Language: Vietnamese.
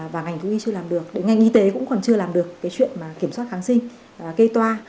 và ngành thú y chưa làm được ngành y tế cũng còn chưa làm được chuyện kiểm soát kháng sinh cây toa